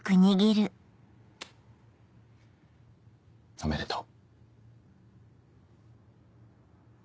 おめでとう。